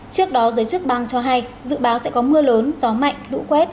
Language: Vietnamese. trước đó giới chức bang cho hay dự báo sẽ có mưa lớn gió mạnh lũ quét